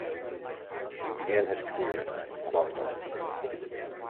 He began his career at Guangdong.